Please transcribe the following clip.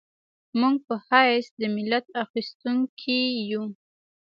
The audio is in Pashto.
موږ په حیث د ملت اخیستونکي یو.